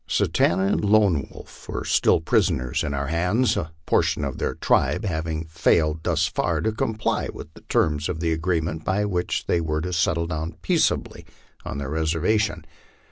Sa tanta and Lone Wolf were still prisoners in our hands, a portion of their tribe having failed thus far to comply with the terms of the agreement by which they were to settle down peaceably on their reservation.